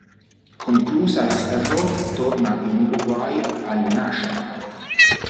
Conclusa la stagione torna in Uruguay, al Nacional.